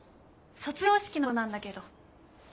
卒業式のことなんだけど。